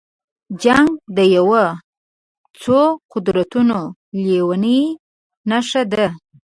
جنګ د یو څو قدرتونو لېونۍ نشه ده.